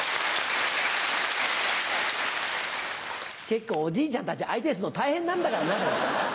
結構おじいちゃんたち相手にするの大変なんだからな。